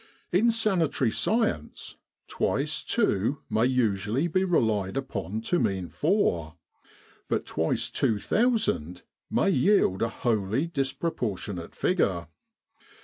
In sanitary science twice two may usually be relied upon to mean four; but twice two thousand may yield a wholly disproportionate figure.